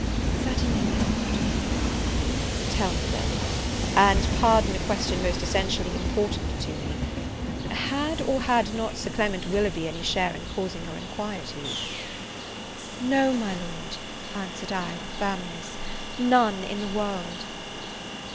"Certainly, my Lord." "Tell me, then, and pardon a question most essentially important to me; Had, or had not, Sir Clement Willoughby any share in causing your inquietude?" "No, my Lord," answered I, with firmness, "none in the world."